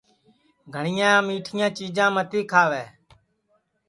گھٹؔؔیاں میٹھیاں چیجاں متی کھاوے